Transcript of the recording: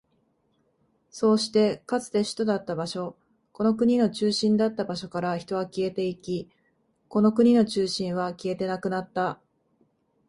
そうして、かつて首都だった場所、この国の中心だった場所から人は消えていき、この国の中心は消えてなくなった。